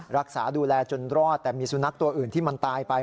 รักษาดูแลจนรอดแต่มีสุนัขตัวอื่นที่มันตายไป